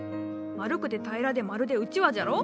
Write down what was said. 丸くて平らでまるでうちわじゃろ？